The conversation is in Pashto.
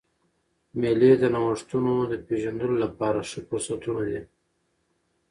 مېلې د نوښتو د پېژندلو له پاره ښه فرصتونه دي.